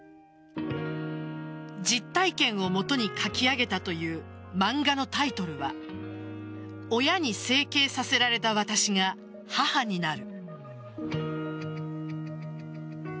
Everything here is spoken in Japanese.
実体験をもとに書き上げたという漫画のタイトルは「親に整形させられた私が母になる」